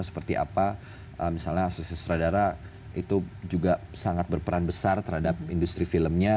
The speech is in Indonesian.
seperti apa misalnya asosiasi sutradara itu juga sangat berperan besar terhadap industri filmnya